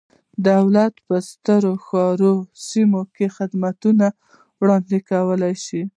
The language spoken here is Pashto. دولت په سترو ښاري سیمو کې خدمات وړاندې کولای شي.